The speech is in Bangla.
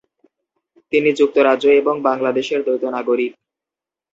তিনি যুক্তরাজ্য এবং বাংলাদেশের দ্বৈত নাগরিক।